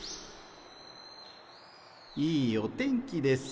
いいお天気です。